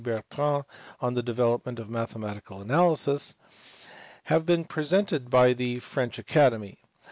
Bertrand on the development of mathematical analysis) have been presented to the French Academy.